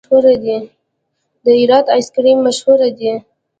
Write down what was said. د هرات آیس کریم مشهور دی؟